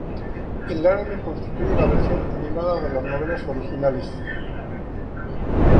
El anime constituye la versión animada de las novelas originales.